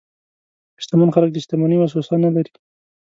شتمن خلک د شتمنۍ وسوسه نه لري.